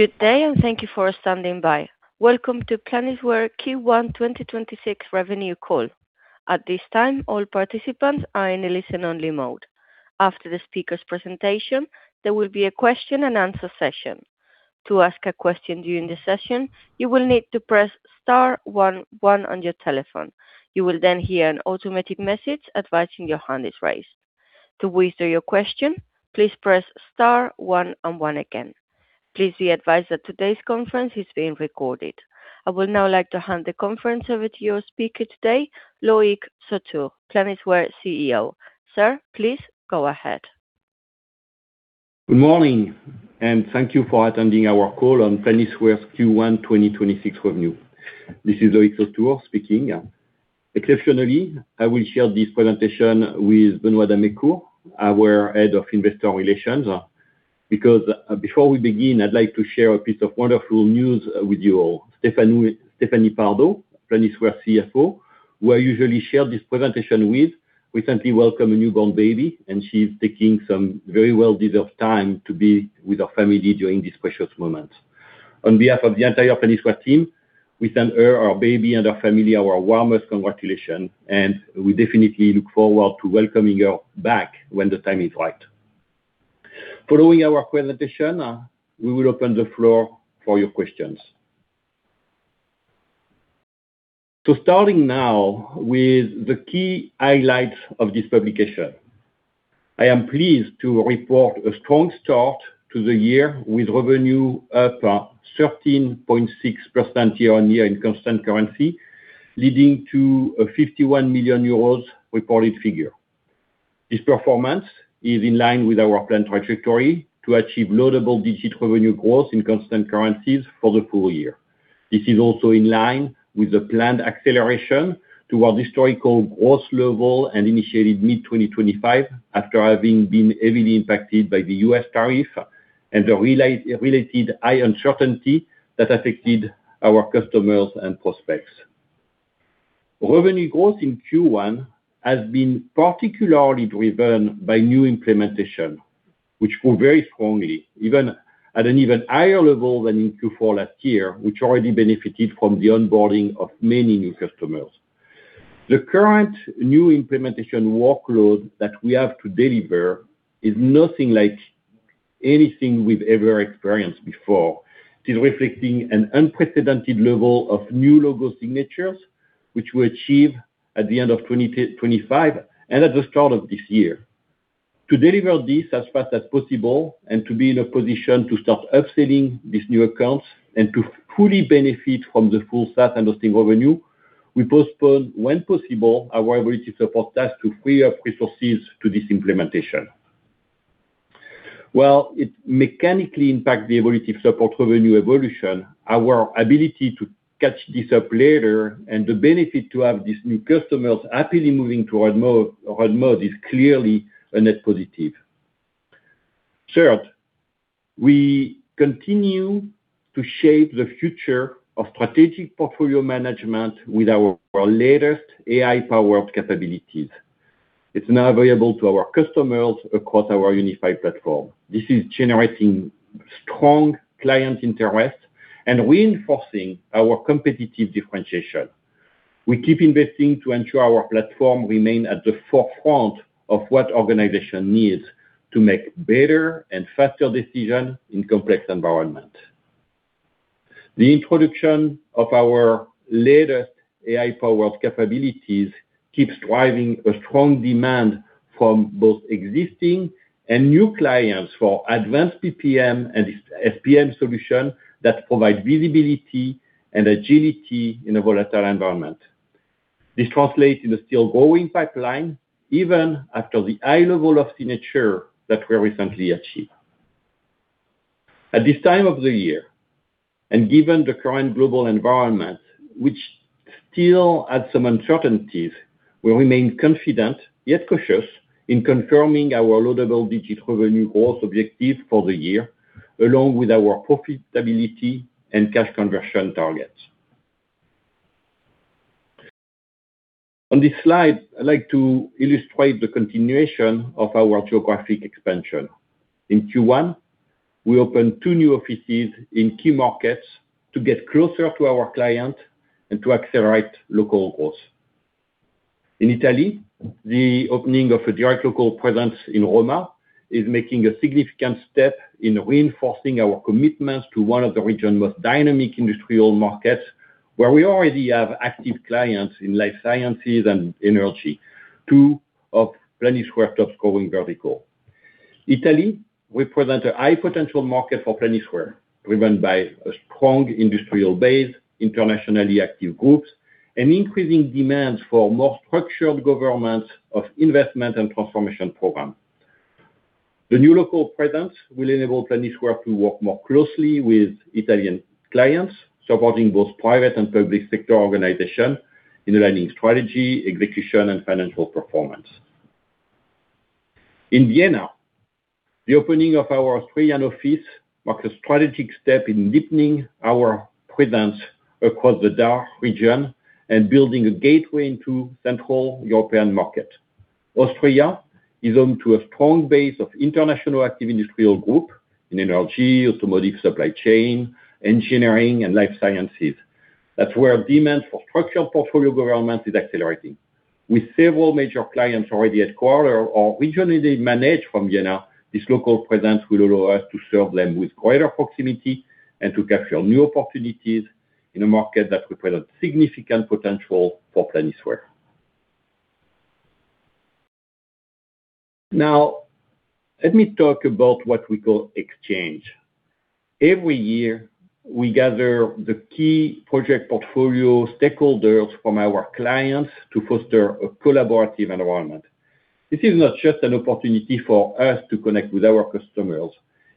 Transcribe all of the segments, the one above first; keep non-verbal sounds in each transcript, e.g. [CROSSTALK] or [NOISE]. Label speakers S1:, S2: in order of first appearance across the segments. S1: Good day, and thank you for standing by. Welcome to Planisware Q1 2026 revenue call. At this time, all participants are in a listen-only mode. After the speaker's presentation, there will be a question and answer session. To ask a question during the session, you will need to press star one one on your telephone. You will then hear an automated message advising your hand is raised. To withdraw your question, please press star one and one again. Please be advised that today's conference is being recorded. I would now like to hand the conference over to your speaker today, Loïc Sautour, Planisware CEO. Sir, please go ahead.
S2: Good morning, and thank you for attending our call on Planisware's Q1 2026 revenue. This is Loïc Sautour speaking. Exceptionally, I will share this presentation with Benoit d'Amécourt, our Head of Investor Relations, because before we begin, I'd like to share a piece of wonderful news with you all. Stéphanie Pardo, Planisware CFO, who I usually share this presentation with, recently welcomed a newborn baby, and she's taking some very well-deserved time to be with her family during this precious moment. On behalf of the entire Planisware team, we send her baby, and her family our warmest congratulations, and we definitely look forward to welcoming her back when the time is right. Following our presentation, we will open the floor for your questions. Starting now with the key highlights of this publication. I am pleased to report a strong start to the year with revenue up 13.6% year-on-year in constant currency, leading to a 51 million euros reported figure. This performance is in line with our planned trajectory to achieve low double-digit revenue growth in constant currencies for the full year. This is also in line with the planned acceleration to our historical growth level and initiated mid-2025 after having been heavily impacted by the U.S. tariff and the related high uncertainty that affected our customers and prospects. Revenue growth in Q1 has been particularly driven by new implementation, which grew very strongly, even at an even higher level than in Q4 last year, which already benefited from the onboarding of many new customers. The current new implementation workload that we have to deliver is nothing like anything we've ever experienced before. It is reflecting an unprecedented level of new logo signatures, which we achieved at the end of 2025 and at the start of this year. To deliver this as fast as possible and to be in a position to start upselling these new accounts and to fully benefit from the full SaaS & Hosting revenue, we postponed, when possible, our Evolutive support tasks to free up resources to this implementation. While it mechanically impacts the Evolutive support revenue evolution, our ability to catch this up later and the benefit to have these new customers happily moving to add more is clearly a net positive. Third, we continue to shape the future of strategic portfolio management with our latest AI-powered capabilities. It's now available to our customers across our unified platform. This is generating strong client interest and reinforcing our competitive differentiation. We keep investing to ensure our platform remains at the forefront of what organization needs to make better and faster decisions in complex environments. The introduction of our latest AI-powered capabilities keeps driving a strong demand from both existing and new clients for advanced PPM and SPM solution that provide visibility and agility in a volatile environment. This translates in a still growing pipeline, even after the high level of signature that we recently achieved. At this time of the year, and given the current global environment, which still has some uncertainties, we remain confident yet cautious in confirming our low double-digit revenue growth objective for the year, along with our profitability and cash conversion targets. On this slide, I'd like to illustrate the continuation of our geographic expansion. In Q1, we opened two new offices in key markets to get closer to our client and to accelerate local growth. In Italy, the opening of a direct local presence in Rome is a significant step in reinforcing our commitments to one of the region's most dynamic industrial markets, where we already have active clients in life sciences and energy, two of Planisware's upscaling verticals. Italy represents a high potential market for Planisware, driven by a strong industrial base, internationally active groups, and increasing demands for more structured governance of investment and transformation programs. The new local presence will enable Planisware to work more closely with Italian clients, supporting both private and public sector organizations in aligning strategy, execution, and financial performance. In Vienna, the opening of our third office marks a strategic step in deepening our presence across the DACH region and building a gateway into Central European markets. Austria is home to a strong base of internationally active industrial groups in energy, automotive supply chain, engineering, and life sciences. That's where demand for structural portfolio governance is accelerating. With several major clients already headquartered or regionally managed from Vienna, this local presence will allow us to serve them with greater proximity and to capture new opportunities in a market that represents significant potential for Planisware. Now, let me talk about what we call Exchange. Every year, we gather the key project portfolio stakeholders from our clients to foster a collaborative environment. This is not just an opportunity for us to connect with our customers,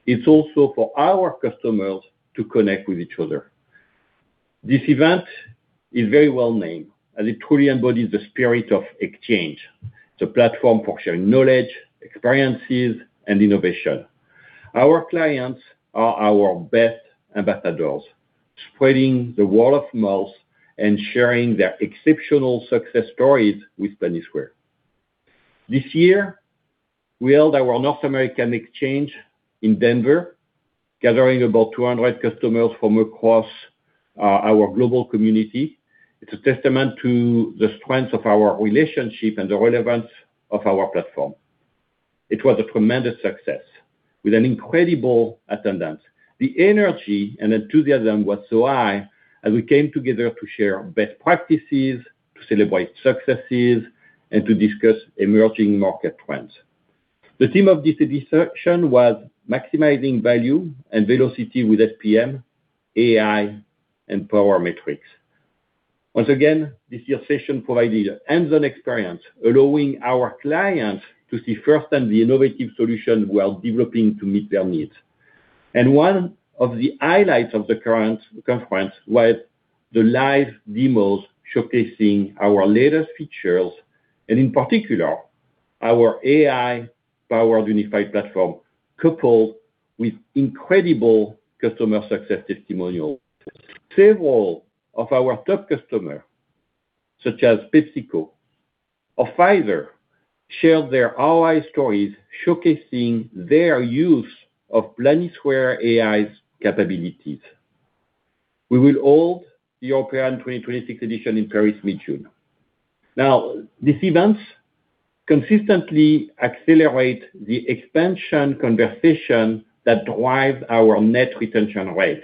S2: it's also for our customers to connect with each other. This event is very well-named, as it truly embodies the spirit of exchange, the platform for sharing knowledge, experiences, and innovation. Our clients are our best ambassadors, spreading the word of mouth and sharing their exceptional success stories with Planisware. This year, we held our North American Exchange in Denver, gathering about 200 customers from across our global community. It's a testament to the strength of our relationship and the relevance of our platform. It was a tremendous success with an incredible attendance. The energy and enthusiasm was so high as we came together to share best practices, to celebrate successes, and to discuss emerging market trends. The theme of this discussion was maximizing value and velocity with SPM, AI, and power metrics. Once again, this year's session provided hands-on experience, allowing our clients to see firsthand the innovative solution we are developing to meet their needs. One of the highlights of the current conference was the live demos showcasing our latest features and, in particular, our AI-Powered Unified Platform, coupled with incredible customer success testimonials. Several of our top customers, such as PepsiCo or Pfizer, shared their AI stories showcasing their use of Planisware AI's capabilities. We will hold the European 2026 edition in Paris, mid-June. Now, these events consistently accelerate the expansion conversation that drives our Net Retention Rate,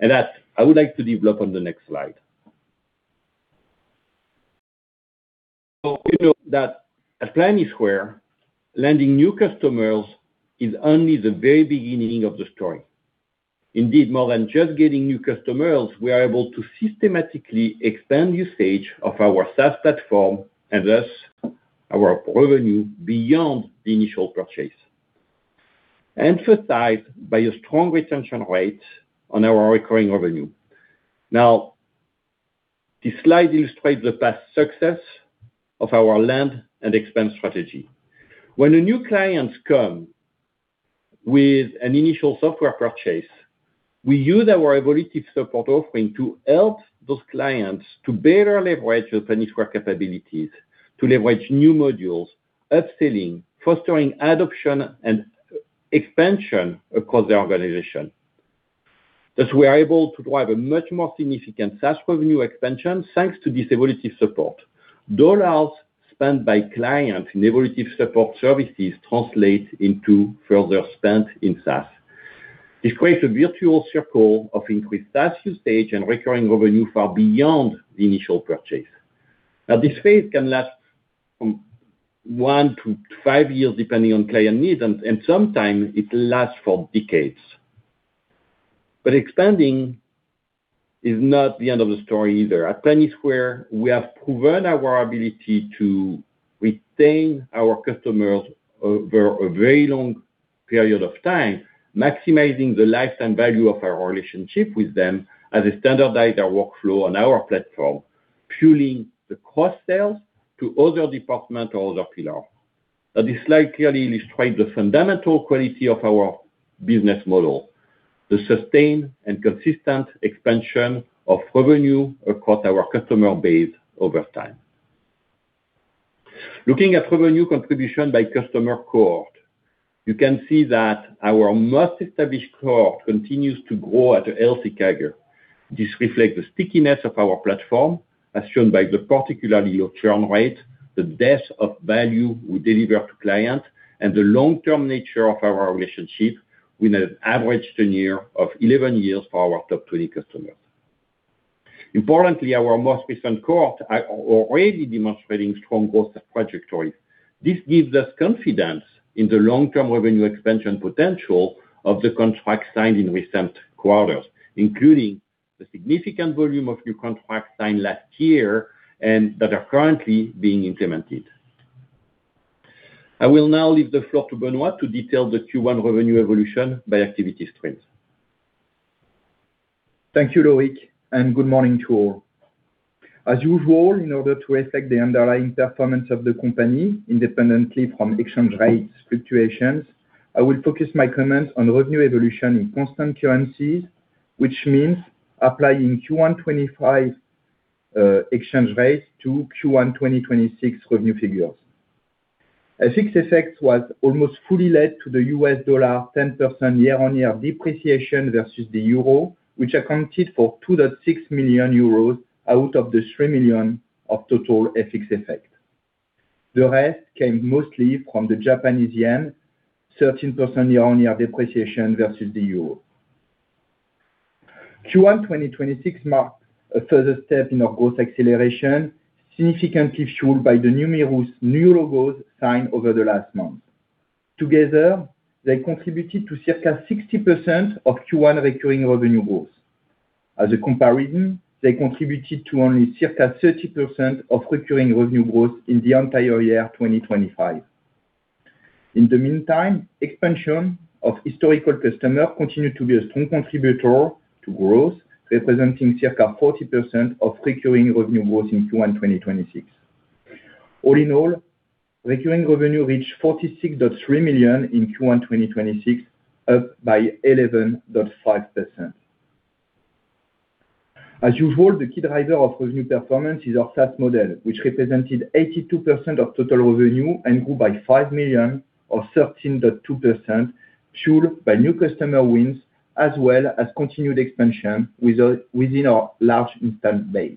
S2: and that I would like to develop on the next slide. We know that at Planisware, landing new customers is only the very beginning of the story. Indeed, more than just getting new customers, we are able to systematically expand usage of our SaaS platform and thus our revenue beyond the initial purchase, emphasized by a strong retention rate on our recurring revenue. Now, this slide illustrates the past success of our Land and Expand strategy. When the new clients come with an initial software purchase, we use our evolutive support offering to help those clients to better leverage the Planisware capabilities to leverage new modules, upselling, fostering adoption, and expansion across the organization. Thus, we are able to drive a much more significant SaaS revenue expansion, thanks to this evolutive support. Dollars spent by clients in evolutive support services translate into further spend in SaaS. This creates a virtuous circle of increased value stage and recurring revenue far beyond the initial purchase. Now, this phase can last from one to five years, depending on client needs, and sometimes it lasts for decades. Expanding is not the end of the story either. At Planisware, we have proven our ability to retain our customers over a very long period of time, maximizing the lifetime value of our relationship with them as they standardize their workflow on our platform, fueling the cross-sales to other departments or other pillar. Now, this slide clearly illustrates the fundamental quality of our business model, the sustained and consistent expansion of revenue across our customer base over time. Looking at revenue contribution by customer cohort, you can see that our most established cohort continues to grow at a healthy CAGR. This reflects the stickiness of our platform, as shown by the particularly low churn rate, the depth of value we deliver to clients, and the long-term nature of our relationship with an average tenure of 11 years for our top 20 customers. Importantly, our most recent cohort are already demonstrating strong growth trajectories. This gives us confidence in the long-term revenue expansion potential of the contracts signed in recent quarters, including the significant volume of new contracts signed last year and that are currently being implemented. I will now leave the floor to Benoit to detail the Q1 revenue evolution by activity trends.
S3: Thank you, Loïc, and good morning to all. As usual, in order to affect the underlying performance of the company independently from exchange rate fluctuations, I will focus my comments on revenue evolution in constant currencies, which means applying Q1 2025 exchange rates to Q1 2026 revenue figures. FX effect was almost fully due to the U.S. dollar 10% year-on-year depreciation versus the euro, which accounted for 2.6 million euros out of the 3 million of total FX effect. The rest came mostly from the Japanese yen, 13% year-on-year depreciation versus the euro. Q1 2026 marked a further step in our growth acceleration, significantly fueled by the numerous new logos signed over the last month. Together, they contributed to circa 60% of Q1 recurring revenue growth. As a comparison, they contributed to only circa 30% of recurring revenue growth in the entire year 2025. In the meantime, expansion of historical customers continued to be a strong contributor to growth, representing circa 40% of recurring revenue growth in Q1 2026. All in all, recurring revenue reached 46.3 million in Q1 2026, up by 11.5%. As usual, the key driver of revenue performance is our SaaS model, which represented 82% of total revenue and grew by 5 million or 13.2%, fueled by new customer wins, as well as continued expansion within our large installed base.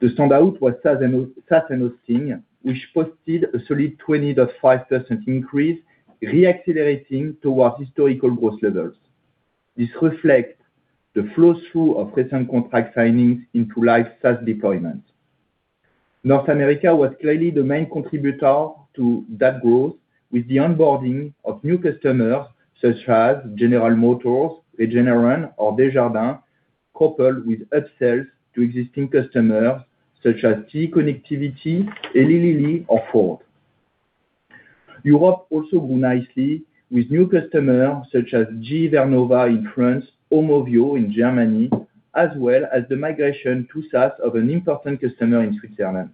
S3: The standout was SaaS & Hosting, which posted a solid 20.5% increase, re-accelerating towards historical growth levels. This reflects the flow-through of recent contract signings into live SaaS deployments. North America was clearly the main contributor to that growth, with the onboarding of new customers such as General Motors, Regeneron, or, [INAUDIBLE] coupled with upsells to existing customers such as TE Connectivity, Eli Lilly, or Ford. Europe also grew nicely with new customers such as GE Vernova in France, Omio in Germany, as well as the migration to SaaS of an important customer in Switzerland.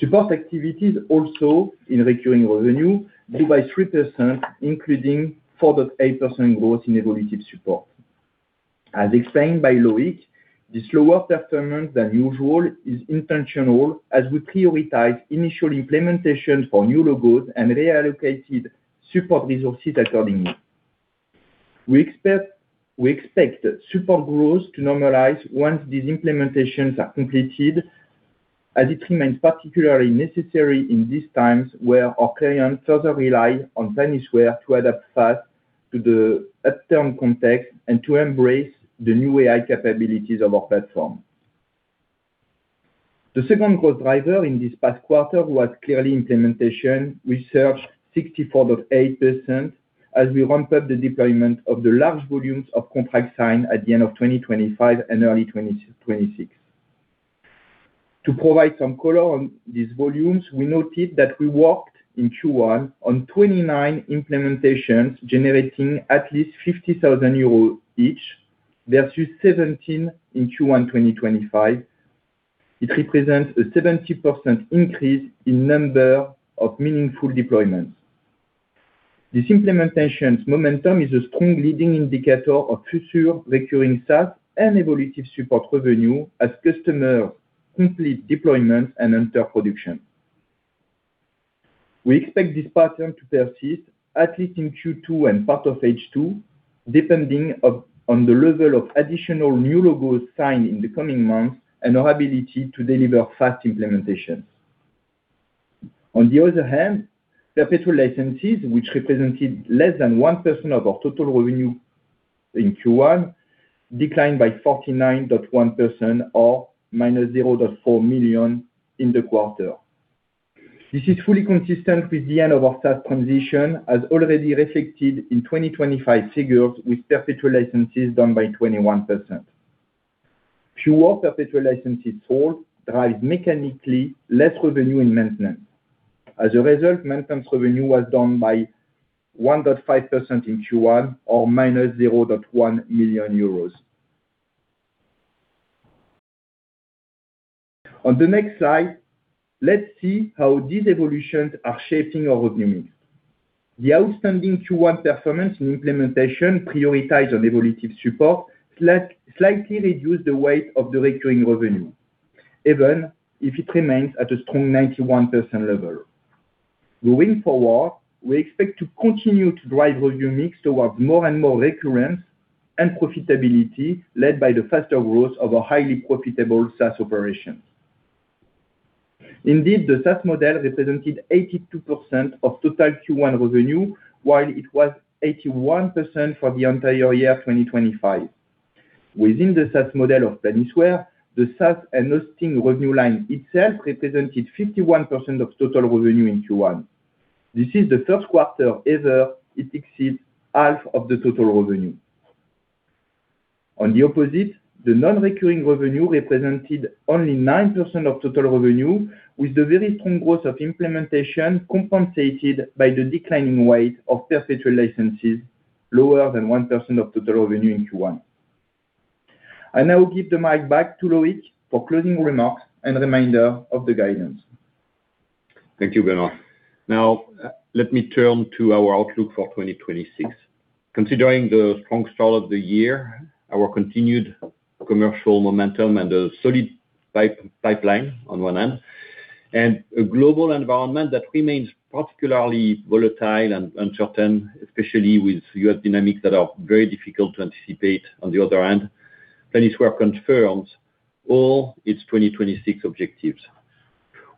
S3: Support activities, also in recurring revenue, grew by 3%, including 4.8% growth in evolutive support. As explained by Loïc, this slower performance than usual is intentional, as we prioritize initial implementations for new logos and reallocated support resources accordingly. We expect support growth to normalize once these implementations are completed, as it remains particularly necessary in these times where our clients further rely on Planisware to adapt fast to the upturn context and to embrace the new AI capabilities of our platform. The second growth driver in this past quarter was clearly implementation, which surged 64.8% as we ramped up the deployment of the large volumes of contracts signed at the end of 2025 and early 2026. To provide some color on these volumes, we noted that we worked in Q1 on 29 implementations generating at least 50,000 euros each versus 17 in Q1 2025. It represents a 70% increase in number of meaningful deployments. This implementation's momentum is a strong leading indicator of future recurring SaaS and evolutive support revenue as customers complete deployments and enter production. We expect this pattern to persist at least in Q2 and part of H2, depending on the level of additional new logos signed in the coming months and our ability to deliver fast implementations. On the other hand, perpetual licenses, which represented less than one% of our total revenue in Q1, declined by 49.1% or -0.4 million in the quarter. This is fully consistent with the end of our SaaS transition, as already reflected in 2025 figures, with perpetual licenses down by 21%. Fewer Perpetual licenses sold drives mechanically less revenue and maintenance. As a result, maintenance revenue was down by 1.5% in Q1, or -0.1 million euros. On the next slide, let's see how these evolutions are shaping our revenue mix. The outstanding Q1 performance in implementation prioritized on Evolutive support slightly reduced the weight of the recurring revenue, even if it remains at a strong 91% level. Going forward, we expect to continue to drive volume mix towards more and more recurrence and profitability, led by the faster growth of our highly profitable SaaS operations. Indeed, the SaaS model represented 82% of total Q1 revenue, while it was 81% for the entire year 2025. Within the SaaS model of Planisware, the SaaS & Hosting revenue line itself represented 51% of total revenue in Q1. This is the first quarter ever it exceeds half of the total revenue. On the opposite, the non-recurring revenue represented only 9% of total revenue, with the very strong growth of implementation compensated by the declining weight of perpetual licenses, lower than 1% of total revenue in Q1. I now give the mic back to Loïc for closing remarks and a reminder of the guidance.
S2: Thank you, Benoit. Now let me turn to our outlook for 2026. Considering the strong start of the year, our continued commercial momentum and the solid pipeline on one end, and a global environment that remains particularly volatile and uncertain, especially with U.S. dynamics that are very difficult to anticipate on the other end. Planisware confirms all its 2026 objectives.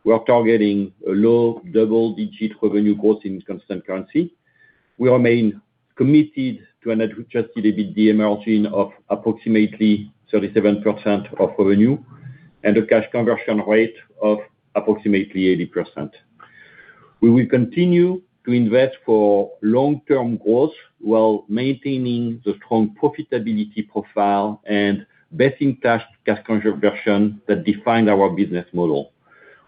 S2: We are targeting a low double-digit revenue growth in constant currency. We remain committed to an adjusted EBITDA margin of approximately 37% of revenue and a cash conversion rate of approximately 80%. We will continue to invest for long-term growth while maintaining the strong profitability profile and best-in-class cash conversion that defined our business model.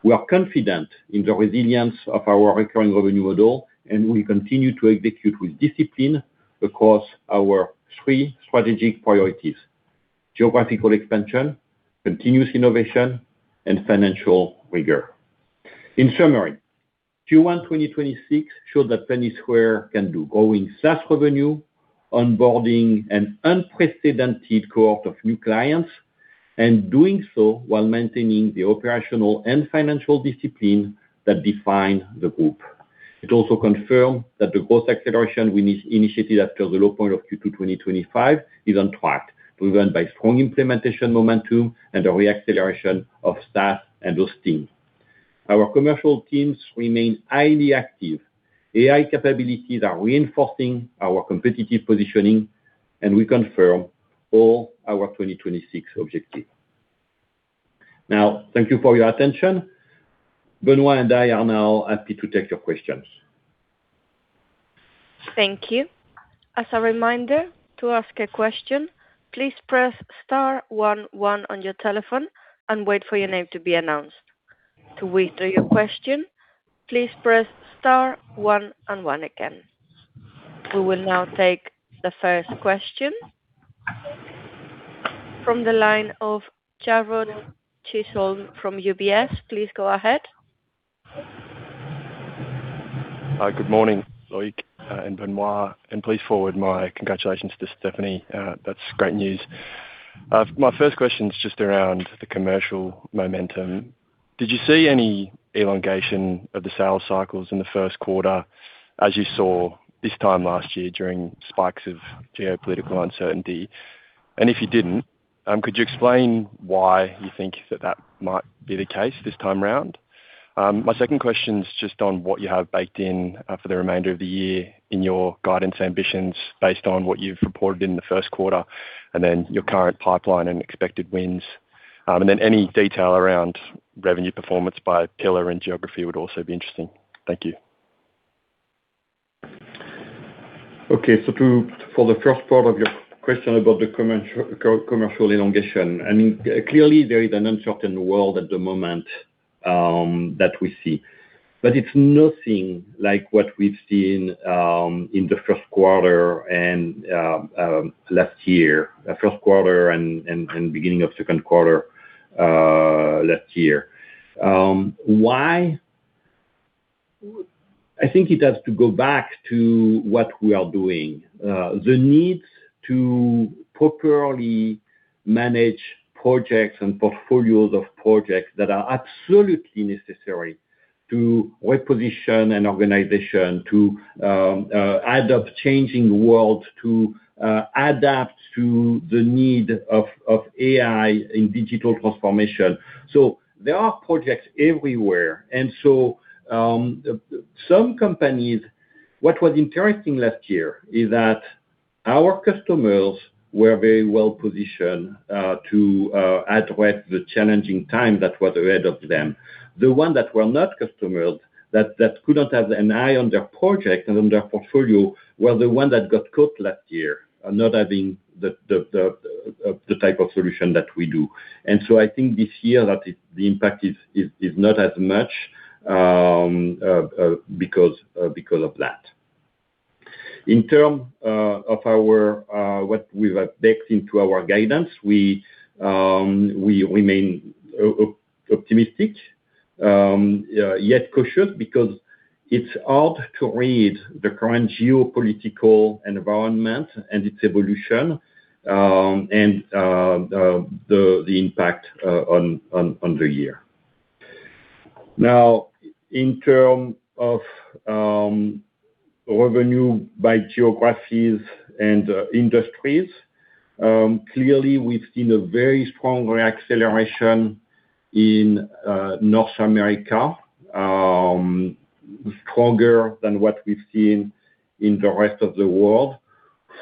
S2: We are confident in the resilience of our recurring revenue model, and we continue to execute with discipline across our three strategic priorities, geographical expansion, continuous innovation and financial rigor. In summary, Q1 2026 showed that Planisware continued growing SaaS revenue, onboarding an unprecedented cohort of new clients, and doing so while maintaining the operational and financial discipline that define the group. It also confirmed that the growth acceleration we initiated after the low point of Q2 2025 is on track, driven by strong implementation momentum and a re-acceleration of sales and those teams. Our commercial teams remain highly active. AI capabilities are reinforcing our competitive positioning, and we confirm all our 2026 objectives. Now, thank you for your attention. Benoit and I are now happy to take your questions.
S1: Thank you. As a reminder, to ask a question, please press star one one on your telephone and wait for your name to be announced. To withdraw your question, please press star one and one again. We will now take the first question from the line of Jarrod Chisholm from UBS. Please go ahead.
S4: Hi, good morning, Loïc and Benoît, and please forward my congratulations to Stéphanie. That's great news. My first question is just around the commercial momentum. Did you see any elongation of the sales cycles in the first quarter as you saw this time last year during spikes of geopolitical uncertainty? If you didn't, could you explain why you think that might be the case this time around? My second question is just on what you have baked in for the remainder of the year in your guidance ambitions based on what you've reported in the first quarter, and then your current pipeline and expected wins. Any detail around revenue performance by pillar and geography would also be interesting. Thank you.
S2: Okay. For the first part of your question about the commercial elongation, I mean, clearly there is an uncertain world at the moment that we see. It's nothing like what we've seen in the first quarter and last year, first quarter and beginning of second quarter last year. Why? I think it has to go back to what we are doing. The need to properly manage projects and portfolios of projects that are absolutely necessary to reposition an organization to adapt to a changing world, to adapt to the needs of AI in digital transformation. There are projects everywhere. Some companies, what was interesting last year is that our customers were very well positioned to address the challenging time that was ahead of them. The one that were not customers, that could not have an eye on their project and on their portfolio, were the one that got caught last year, not having the type of solution that we do. I think this year the impact is not as much because of that. In term of what we have baked into our guidance, we remain optimistic, yet cautious because it's hard to read the current geopolitical environment and its evolution, and the impact on the year. Now, in term of revenue by geographies and industries, clearly we've seen a very strong re-acceleration in North America, stronger than what we've seen in the rest of the world.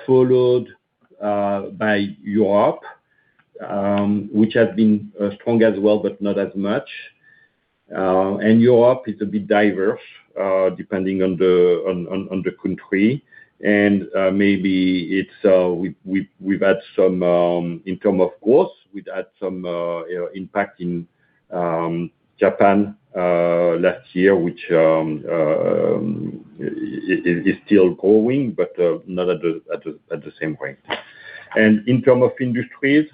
S2: Followed by Europe, which has been strong as well, but not as much. Europe is a bit diverse, depending on the country. Maybe we've had some income, of course. We've had some impact in Japan last year, which is still growing, but not at the same rate. In terms of industries,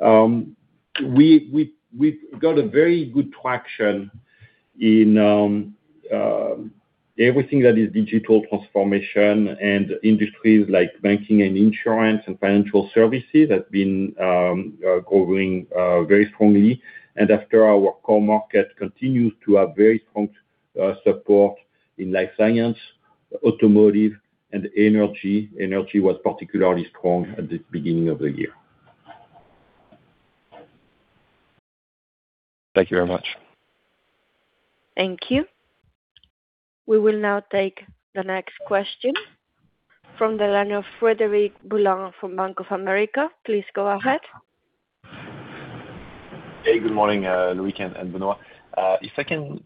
S2: we've got a very good traction in everything that is digital transformation, and industries like banking and insurance and financial services have been growing very strongly. As for our core market, it continues to have very strong support in life science, automotive, and energy. Energy was particularly strong at the beginning of the year.
S4: Thank you very much.
S1: Thank you. We will now take the next question from the line of Frederic Boulan from Bank of America. Please go ahead.
S5: Hey, good morning, Loïc and Benoit. If I can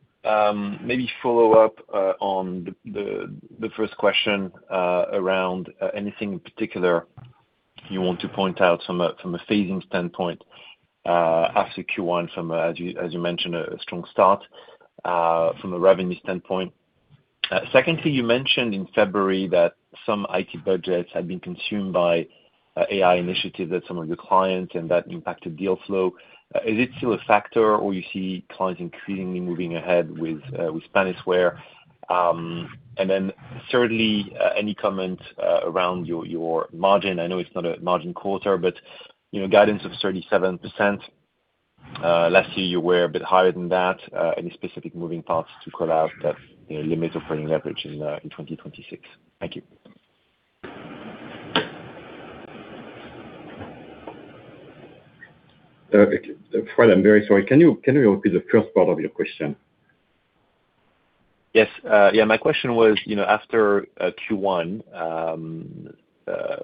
S5: maybe follow up on the first question around anything in particular you want to point out from a phasing standpoint after Q1 from, as you mentioned, a strong start from a revenue standpoint. Secondly, you mentioned in February that some IT budgets had been consumed by AI initiatives at some of your clients and that impacted deal flow. Is it still a factor, or you see clients increasingly moving ahead with Planisware? And then thirdly, any comment around your margin? I know it's not a margin quarter, but guidance of 37%. Last year you were a bit higher than that. Any specific moving parts to call out that limits operating leverage in 2026? Thank you.
S2: Fred, I'm very sorry. Can you repeat the first part of your question?
S5: Yes. My question was, after Q1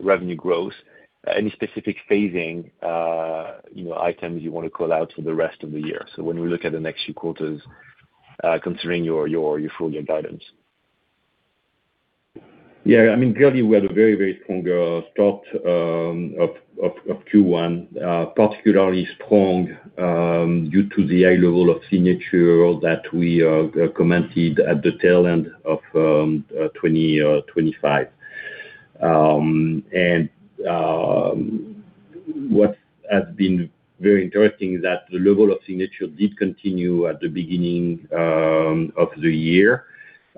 S5: revenue growth, any specific phasing items you want to call out for the rest of the year? When we look at the next few quarters, considering your full year guidance.
S2: Yeah. Clearly we had a very strong start of Q1, particularly strong due to the high level of signature that we commented at the tail end of 2025. What has been very interesting is that the level of signature did continue at the beginning of the year.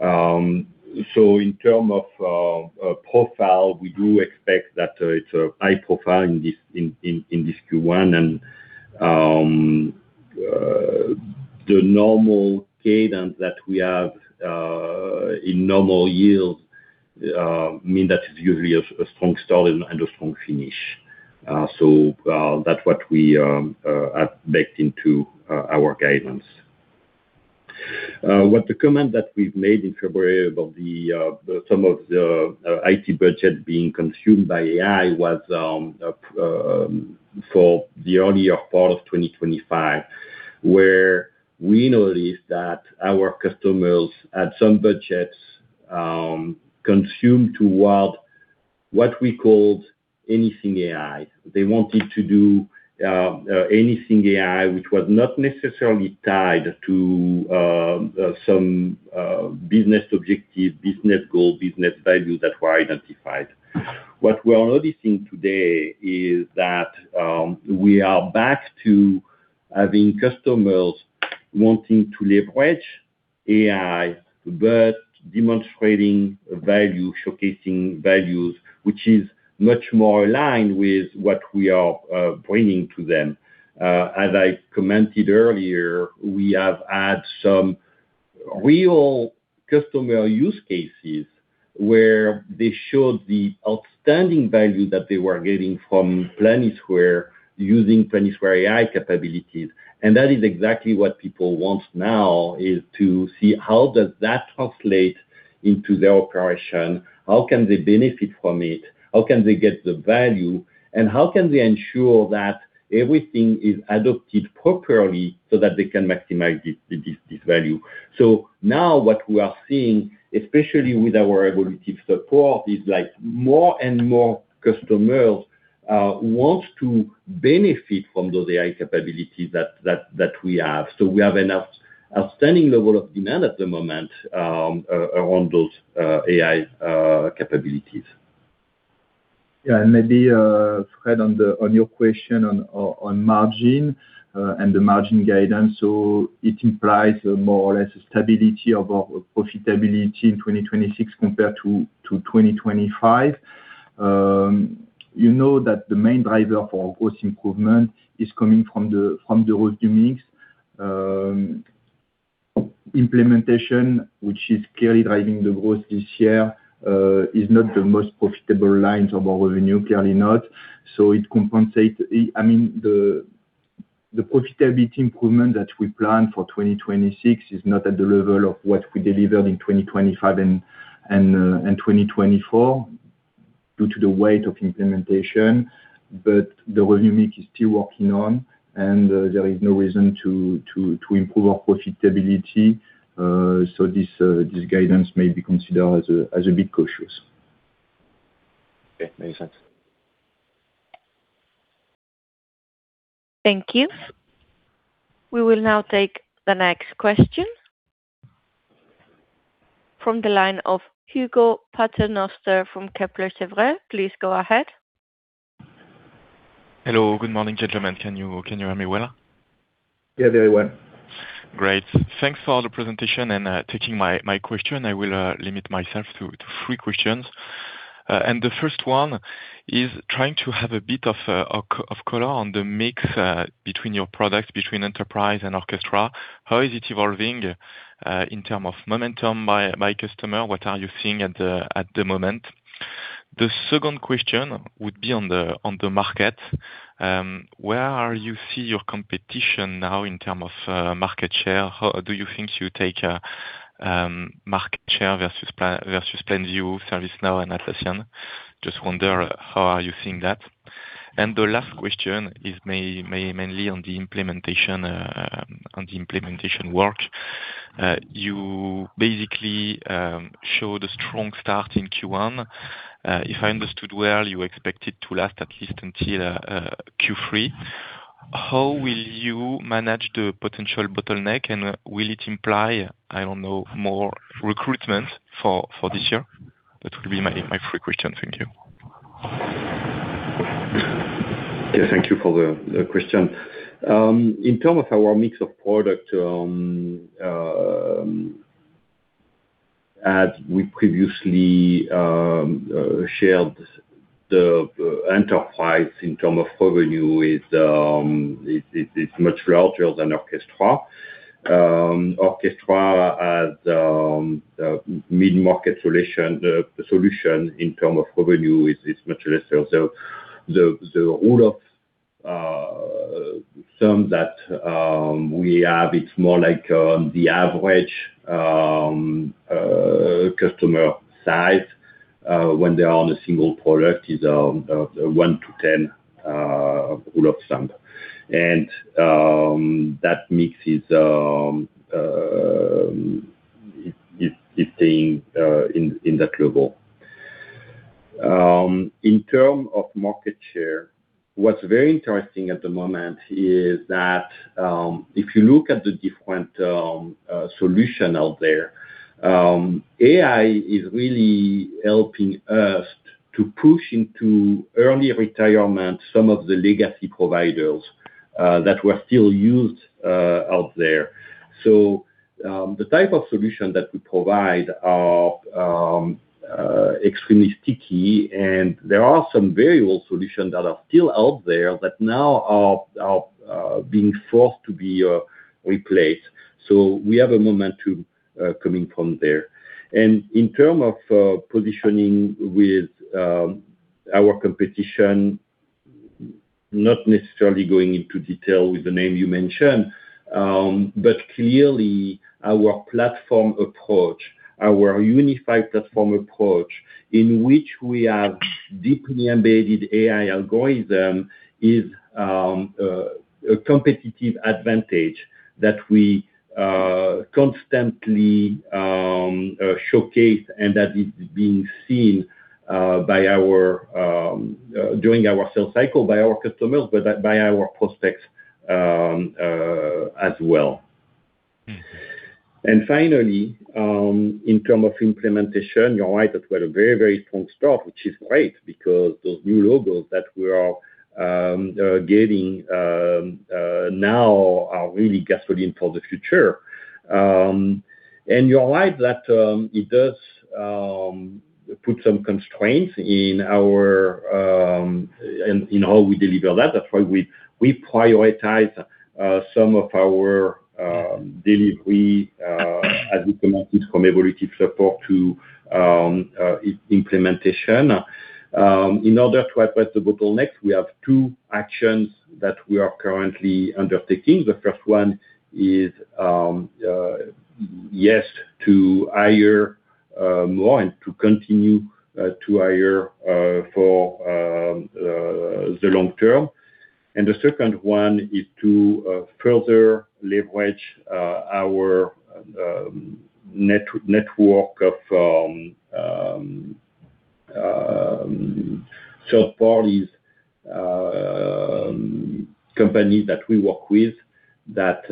S2: In terms of profile, we do expect that it's a high profile in this Q1 and the normal cadence that we have in normal years mean that it's usually a strong start and a strong finish. That's what we have baked into our guidance. With the comment that we've made in February about some of the IT budget being consumed by AI was for the early fall of 2025, where we noticed that our customers had some budgets consumed toward what we called Anything AI. They wanted to do Anything AI, which was not necessarily tied to some business objective, business goal, business value that were identified. What we are noticing today is that we are back to having customers wanting to leverage AI, but demonstrating value, showcasing values, which is much more aligned with what we are bringing to them. As I commented earlier, we have had some real customer use cases where they showed the outstanding value that they were getting from Planisware using Planisware AI capabilities. That is exactly what people want now, is to see how does that translate into their operation, how can they benefit from it, how can they get the value, and how can they ensure that everything is adopted properly so that they can maximize this value. Now what we are seeing, especially with our Evolutive support, is that more and more customers want to benefit from those AI capabilities that we have. We have an outstanding level of demand at the moment around those AI capabilities.
S3: Yeah, maybe, Fred, on your question on margin and the margin guidance. It implies more or less stability of our profitability in 2026 compared to 2025. You know that the main driver for cost improvement is coming from the revenue mix. Implementation, which is clearly driving the growth this year, is not the most profitable lines of our revenue, clearly not. It compensates. The profitability improvement that we plan for 2026 is not at the level of what we delivered in 2025 and 2024 due to the weight of implementation. The revenue mix is still working on, and there is no reason to improve our profitability. This guidance may be considered as a bit cautious.
S5: Okay, makes sense.
S1: Thank you. We will now take the next question. From the line of Hugo Paternoster from Kepler Cheuvreux, please go ahead.
S6: Hello. Good morning, gentlemen. Can you hear me well?
S2: Yeah, very well.
S6: Great. Thanks for the presentation and taking my question. I will limit myself to three questions. The first one is trying to have a bit of color on the mix between your products, between Enterprise and Orchestra. How is it evolving, in terms of momentum by customer? What are you seeing at the moment? The second question would be on the market. Where do you see your competition now in terms of market share? How do you think you take market share versus Planview, ServiceNow, and Atlassian? I just wonder how you are seeing that. The last question is mainly on the implementation work. You basically showed a strong start in Q1. If I understood well, you expect it to last at least until Q3. How will you manage the potential bottleneck, and will it imply, I don't know, more recruitment for this year? That would be my three questions. Thank you.
S2: Yeah, thank you for the question. In terms of our mix of product, as we previously shared, the Enterprise in terms of revenue is much larger than Orchestra. Orchestra as a mid-market solution, the solution in terms of revenue is much lesser. The rule of thumb that we have, it's more like on the average customer size, when they are on a single product is one to 10 rule of thumb. That mix is staying in that global. In terms of market share, what's very interesting at the moment is that, if you look at the different solution out there, AI is really helping us to push into early retirement some of the legacy providers that were still used out there. The type of solution that we provide are extremely sticky, and there are some very old solutions that are still out there that now are being forced to be replaced. We have a momentum coming from there. In terms of positioning with our competition, not necessarily going into detail with the name you mentioned, but clearly our platform approach, our unified platform approach, in which we have deeply embedded AI algorithm is a competitive advantage that we constantly showcase and that is being seen during our sales cycle by our customers, but by our prospects as well.
S6: Mm-hmm.
S2: Finally, in terms of implementation, you're right, that we had a very strong start, which is great because those new logos that we are getting now are really gasoline for the future. You're right that it does put some constraints in how we deliver that. That's why we prioritize some of our delivery as we committed from evolutive support to implementation. In order to address the bottleneck, we have two actions that we are currently undertaking. The first one is, yes to hire more and to continue to hire for the long term. The second one is to further leverage our network of third parties, companies that we work with, that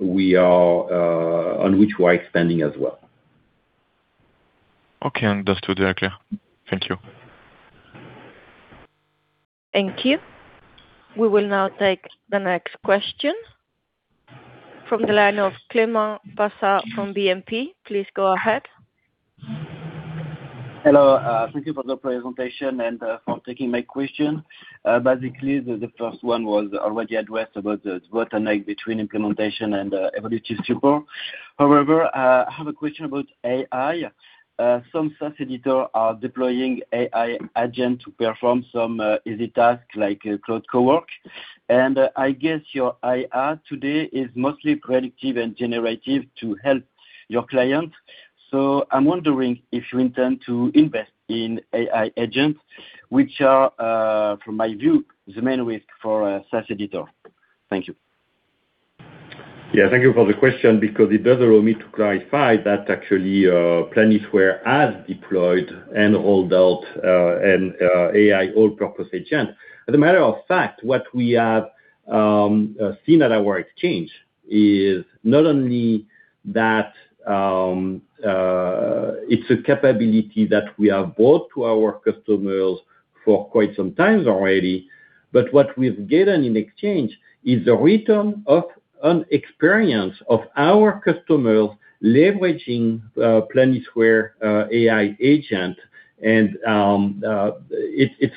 S2: we are on, which we are expanding as well.
S6: Okay. Understood. Yeah, clear. Thank you.
S1: Thank you. We will now take the next question from the line of Clément Bassat from BNP. Please go ahead.
S7: Hello. Thank you for the presentation and for taking my question. Basically, the first one was already addressed about the bottleneck between implementation and evolutive support. However, I have a question about AI. Some SaaS editor are deploying AI agent to perform some easy task, like Klarna Copilot. I guess your AI today is mostly predictive and generative to help your client. I'm wondering if you intend to invest in AI agents, which are, from my view, the main risk for a SaaS editor. Thank you.
S2: Yeah, thank you for the question because it does allow me to clarify that actually, Planisware has deployed and rolled out an AI all-purpose agent. As a matter of fact, what we have seen at our Exchange is not only that it's a capability that we have brought to our customers for quite some time already, but what we've gotten in Exchange is a return on experience of our customers leveraging Planisware AI agent. It's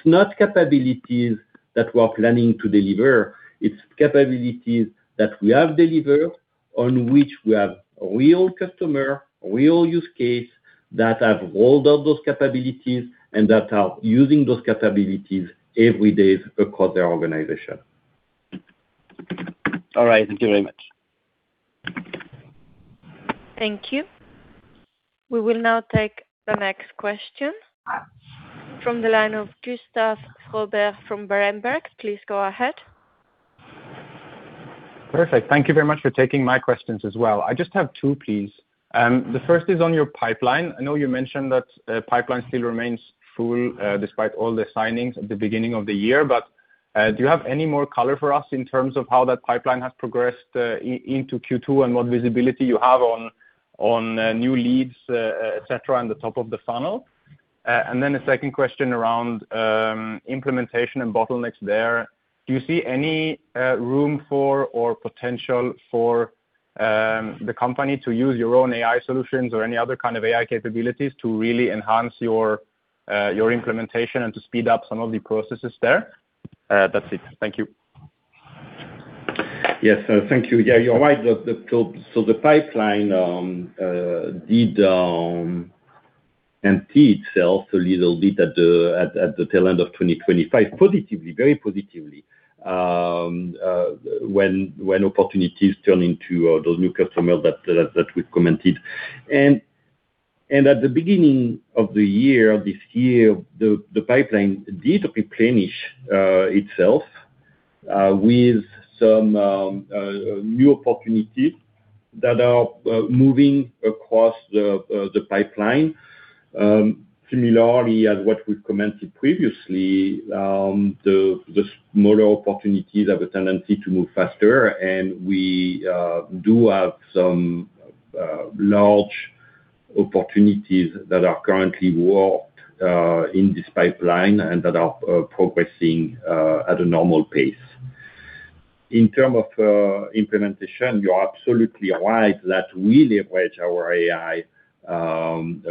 S2: not capabilities that we're planning to deliver, it's capabilities that we have delivered on which we have a real customer, a real use case that have rolled out those capabilities and that are using those capabilities every day across their organization.
S7: All right. Thank you very much.
S1: Thank you. We will now take the next question from the line of Gustav Froberg from Berenberg. Please go ahead.
S8: Perfect. Thank you very much for taking my questions as well. I just have two, please. The first is on your pipeline. I know you mentioned that pipeline still remains full despite all the signings at the beginning of the year, but do you have any more color for us in terms of how that pipeline has progressed into Q2 and what visibility you have on new leads, et cetera, on the top of the funnel? A second question around implementation and bottlenecks there. Do you see any room for or potential for the company to use your own AI solutions or any other kind of AI capabilities to really enhance your implementation and to speed up some of the processes there? That's it. Thank you.
S2: Yes. Thank you. Yeah, you're right. The pipeline did empty itself a little bit at the tail end of 2025, positively, very positively, when opportunities turn into those new customers that we've commented. At the beginning of the year, this year, the pipeline did replenish itself, with some new opportunities that are moving across the pipeline. Similarly, as what we've commented previously, the smaller opportunities have a tendency to move faster and we do have some large opportunities that are currently worked in this pipeline and that are progressing at a normal pace. In terms of implementation, you are absolutely right that we leverage our AI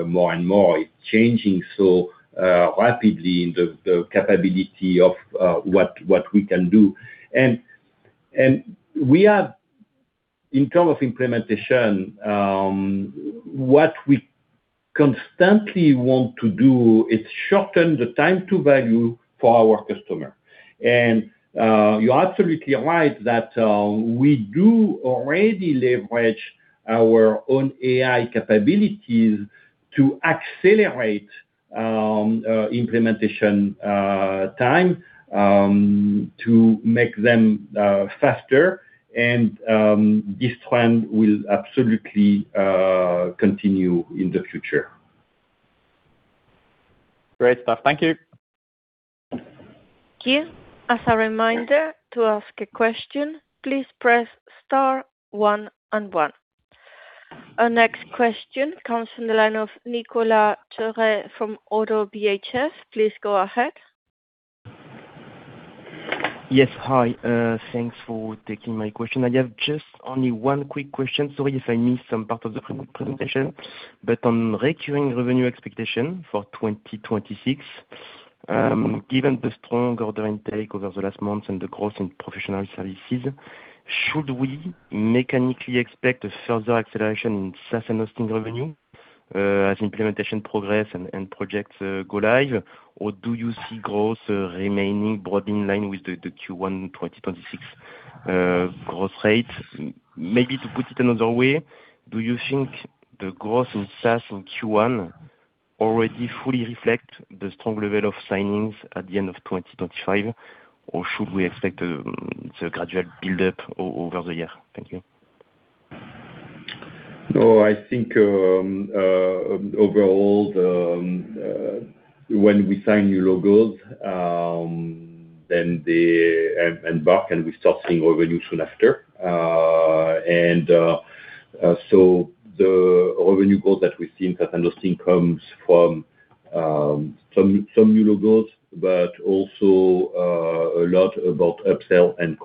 S2: more and more. It's changing so rapidly in the capability of what we can do. In terms of implementation, what we constantly want to do is shorten the time to value for our customer. You're absolutely right that we do already leverage our own AI capabilities to accelerate implementation time, to make them faster. This trend will absolutely continue in the future.
S8: Great stuff. Thank you.
S1: Thank you. As a reminder, to ask a question, please press star one and one. Our next question comes from the line of Nicola Thorez from Oddo BHF. Please go ahead.
S9: Yes. Hi. Thanks for taking my question. I have just only one quick question. Sorry if I missed some part of the presentation, but on recurring revenue expectation for 2026, given the strong order intake over the last months and the growth in professional services, should we mechanically expect a further acceleration in SaaS & Hosting revenue, as implementation progress and projects go live? Or do you see growth remaining broadly in line with the Q1 2026 growth rate? Maybe to put it another way, do you think the growth in SaaS in Q1 already fully reflect the strong level of signings at the end of 2025? Or should we expect a gradual build-up over the year? Thank you.
S2: No, I think, overall when we sign new logos, then they embark and we start seeing revenue soon after. The revenue growth that we've seen, that the hosting comes from some new logos, but also a lot about upsell and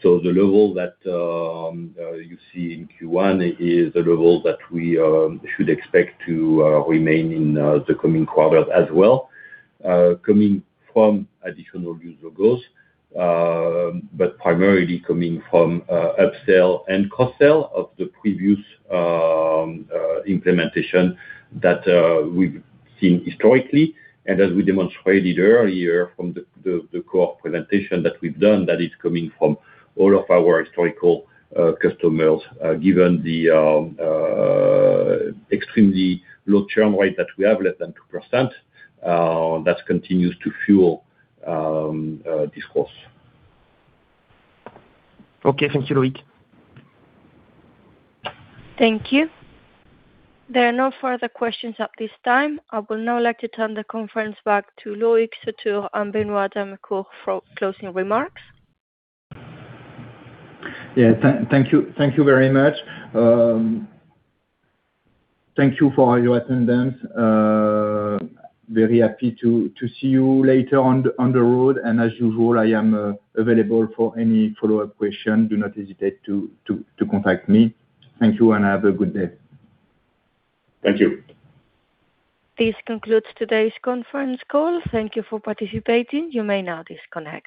S2: cross-sell. The level that you see in Q1 is the level that we should expect to remain in the coming quarters as well, coming from additional new logos, but primarily coming from upsell and cross-sell of the previous implementation that we've seen historically. As we demonstrated earlier from the core presentation that we've done, that is coming from all of our historical customers, given the extremely low churn rate that we have, less than 2%, that continues to fuel this course.
S9: Okay. Thank you, Loïc.
S1: Thank you. There are no further questions at this time. I would now like to turn the conference back to Loïc Sautour and Benoit d'Amécourt for closing remarks.
S2: Yeah. Thank you very much. Thank you for your attendance. Very happy to see you later on the road. As usual, I am available for any follow-up question. Do not hesitate to contact me. Thank you, and have a good day.
S3: Thank you.
S1: This concludes today's conference call. Thank you for participating. You may now disconnect.